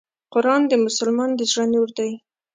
قرآن د مسلمان د زړه نور دی .